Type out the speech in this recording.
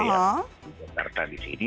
yang di jakarta di sini